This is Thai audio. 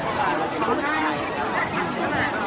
การรับความรักมันเป็นอย่างไร